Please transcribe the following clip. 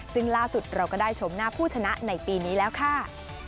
ซึ่งล่าสุดเราก็ได้ชมหน้าผู้ชนะในปีนี้แล้วค่ะ